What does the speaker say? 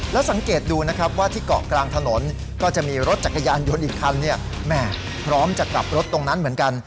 แล้วสังเกตดูนะครับว่าที่เกาะกลางถนนก็จะมีรถจักรยานยนต์อีกคันเนี่ยแม่พร้อมจะกลับรถตรงนั้นเหมือนกัน